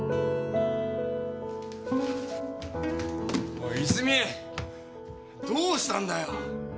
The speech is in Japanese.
おい泉どうしたんだよ？